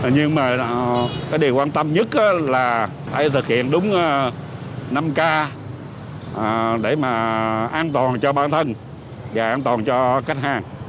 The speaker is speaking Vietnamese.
nhưng mà cái điều quan tâm nhất là phải thực hiện đúng năm k để mà an toàn cho bản thân và an toàn cho khách hàng